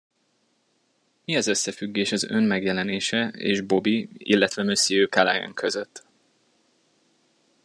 Mi az összefüggés az ön megjelenése és Bobby, illetve Monsieur Calaghan között?